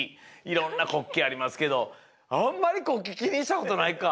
いろんな国旗ありますけどあんまりこうきにしたことないか。